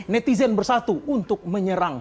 netizen bersatu untuk menyerang